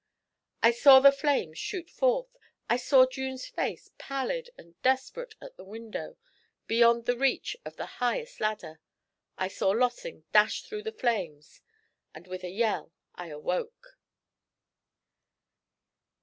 I saw the flames shoot forth; I saw June's face, pallid and desperate, at the window, beyond the reach of the highest ladder; I saw Lossing dash through the flames; and with a yell I awoke.